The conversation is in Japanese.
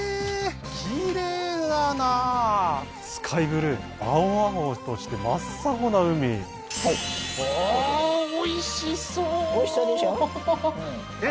きれいだなスカイブルー青々として真っ青な海はいああーおいしそうおいしそうでしょえっ